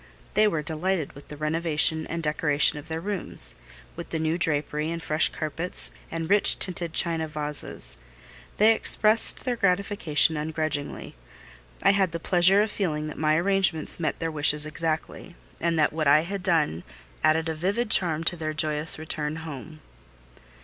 They were delighted with the renovation and decorations of their rooms; with the new drapery, and fresh carpets, and rich tinted china vases: they expressed their gratification ungrudgingly. I had the pleasure of feeling that my arrangements met their wishes exactly, and that what I had done added a vivid charm to their joyous return home.